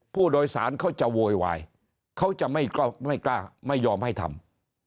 ผู้โดยสารเขาจะโวยวายเขาจะไม่กล้าไม่ยอมให้ทำ